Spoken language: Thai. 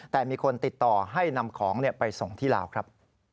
แต่มีคนติดต่อให้นำของไปส่งที่ลาวครับ